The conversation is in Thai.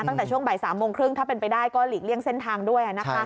ตั้งแต่ช่วงบ่าย๓โมงครึ่งถ้าเป็นไปได้ก็หลีกเลี่ยงเส้นทางด้วย